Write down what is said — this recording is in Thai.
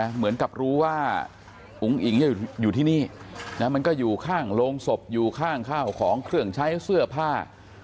เหมือนกับรู้ว่าอุ๋งอิ๋งอยู่ที่นี่มันก็อยู่ข้างโรงศพอยู่ข้างข้าวของเครื่องใช้เสื้อผ้า